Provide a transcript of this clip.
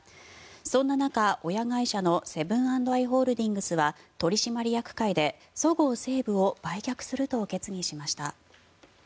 そんな中、親会社のセブン＆アイ・ホールディングスは取締役会でそごう・西武を売却すると決議しました。